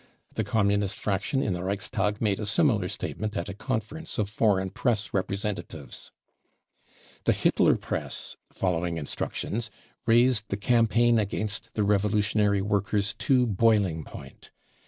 The Com , munist fraction in the Reichstag made a similar statement ^ at a conference of foreign Press representatives. The Hitler Press, following instructions, raised The cam paign against the revolutionary workers to boiling point.